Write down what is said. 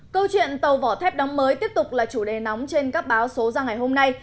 câu chuyện tàu vỏ thép đóng mới tiếp tục là chủ đề nóng trên các báo số ra ngày hôm nay